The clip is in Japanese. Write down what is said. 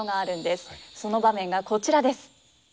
その場面がこちらです。